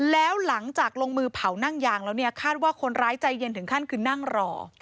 แล้วหลังจากลงมือเผานั่งยางแล้วเนี่ยคาดว่าคนร้ายใจเย็นถึงขั้นคือนั่งรอ